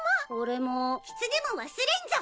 キツネも忘れんぞ。